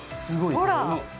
ほら！